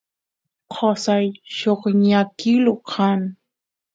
qosay lluqñakilu kan